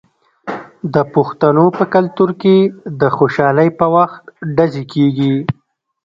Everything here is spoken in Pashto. د پښتنو په کلتور کې د خوشحالۍ په وخت ډزې کیږي.